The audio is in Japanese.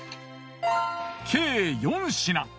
計４品。